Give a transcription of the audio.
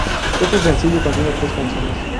Este sencillo contiene tres canciones.